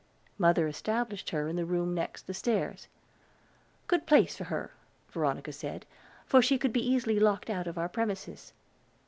Mother established her in the room next the stairs good place for her, Veronica said, for she could be easily locked out of our premises.